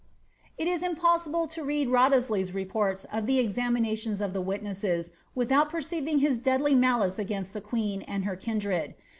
' It is impossible to read Wriolhesley''s reports of the examinations of the witnesses without perceiving his deadly malice against the qoeea and her kindred.